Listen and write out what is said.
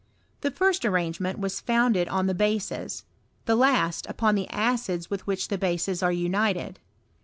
The first arrange ment was founded on the bases, the last upon the acids with which these bases are united.